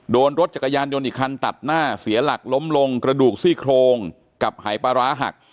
โดนรถจักรยานยนต์อีกคันตัดหน้าเสียหลักล้มลงกระดูกซี่โครงกับหายปลาร้าหัก